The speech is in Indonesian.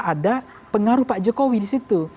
ada pengaruh pak jokowi disitu